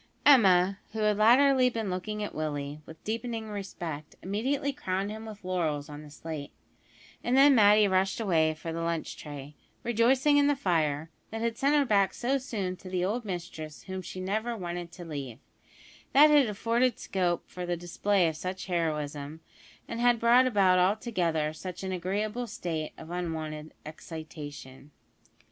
Emma, who had latterly been looking at Willie with deepening respect, immediately crowned him with laurels on the slate, and then Matty rushed away for the lunch tray rejoicing in the fire, that had sent her back so soon to the old mistress whom she never wanted to leave; that had afforded scope for the display of such heroism, and had brought about altogether such an agreeable state of unwonted excitation.